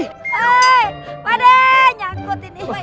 hei aduh aduh aduh aduh